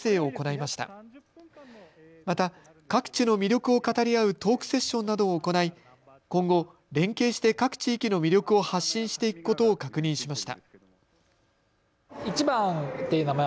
また各地の魅力を語り合うトークセッションなどを行い今後、連携して各地域の魅力を発信していくことを確認しました。